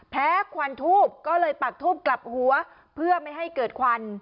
ควันทูบก็เลยปากทูบกลับหัวเพื่อไม่ให้เกิดควัน